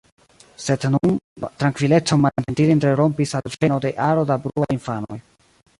Sed nun la trankvilecon malĝentile interrompis alveno de aro da bruaj infanoj.